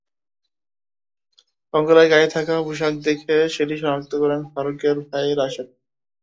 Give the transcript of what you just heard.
কঙ্কালের গায়ে থাকা পোশাক দেখে সেটি শনাক্ত করেন ফারুকের ভাই রাশেদ।